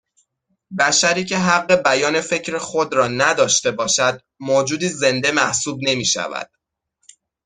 بشری که حق بیان فکر خود را نداشته باشد موجودی زنده محسوب نمیشود